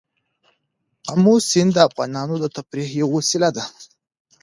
آمو سیند د افغانانو د تفریح یوه وسیله ده.